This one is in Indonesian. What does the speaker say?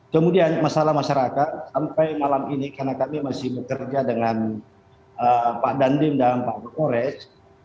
kemudian masalah masyarakat sampai malam ini karena kami masih bekerja dengan pak dandim dan pak kores